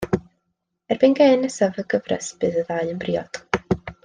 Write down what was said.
Erbyn gêm nesaf y gyfres bydd y ddau yn briod.